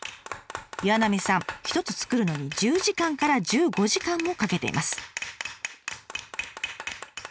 岩浪さん一つ作るのに１０時間から１５時間もかけています。